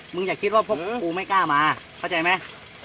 มึงอย่าคิดว่าพวกกูไม่กล้ามาเพราะใจมั๊ย